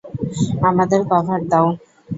আমাদের কভার দাও!